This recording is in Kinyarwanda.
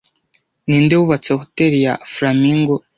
Ninde wubatse hoteri ya Flamingo